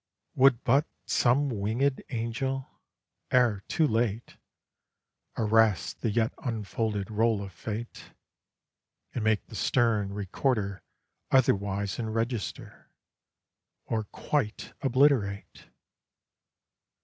Would but some wingèd Angel, ere too late, Arrest the yet unfolded Roll of Fate, And make the stern Recorder otherwise Enregister, or quite obliterate!